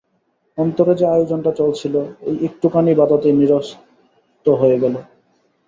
অন্তরে যে আয়োজনটা চলছিল, এই একটুখানি বাধাতেই নিরস্ত হয়ে গেল।